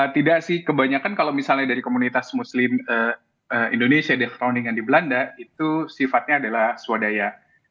tidak sih kebanyakan kalau misalnya dari komunitas muslim indonesia di crowning yang di belanda itu sifatnya adalah swadaya